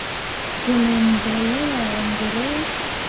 Kuna mbolea ya nguruwe